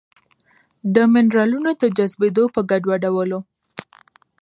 د مېنرالونو د جذبېدو په ګډوډولو